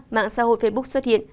mạng xã hội facebook xuất hiện